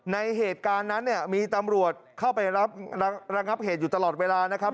ในเหตุการณ์นั้นเนี่ยมีตำรวจเข้าไปรับระงับเหตุอยู่ตลอดเวลานะครับ